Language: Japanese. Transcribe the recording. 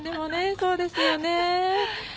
そうですよね。